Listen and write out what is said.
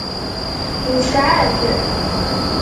Nesεa-t.